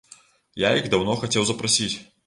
Я іх даўно хацеў запрасіць.